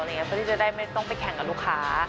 เพื่อที่จะได้ไม่ต้องไปแข่งกับลูกค้า